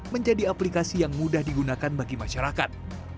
menjadi aplikasi yang mudah digunakan bagi masyarakat